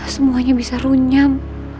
semuanya bisa runyam